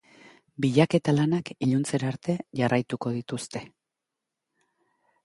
Bilaketa lanak iluntzerarte jarraituko dituzte.